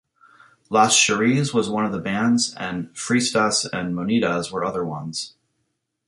Las Cheris was one of these bands and Fresitas and Monedas were other ones.